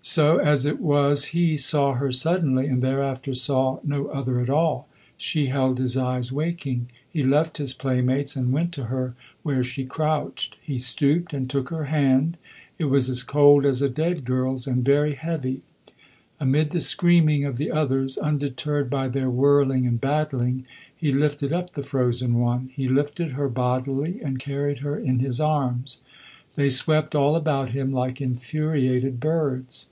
So as it was he saw her suddenly, and thereafter saw no other at all. She held his eyes waking; he left his playmates and went to her where she crouched. He stooped and took her hand. It was as cold as a dead girl's and very heavy. Amid the screaming of the others, undeterred by their whirling and battling, he lifted up the frozen one. He lifted her bodily and carried her in his arms. They swept all about him like infuriated birds.